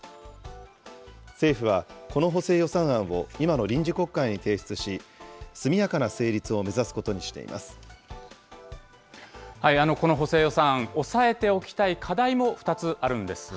政府は、この補正予算案を今の臨時国会に提出し、速やかな成立を目指すここの補正予算案、押さえておきたい課題も２つあるんです。